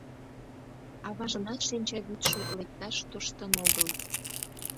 Аважынат шинчавӱдшӧ лекташ тоштын огыл...